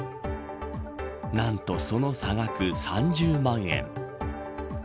なんと、その差額３０万円。